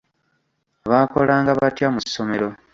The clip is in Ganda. Baakolanga batya mu ssomero?